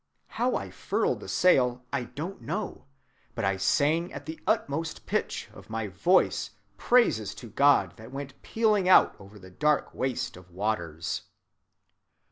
How I furled the sail I don't know, but I sang at the utmost pitch of my voice praises to God that went pealing out over the dark waste of waters."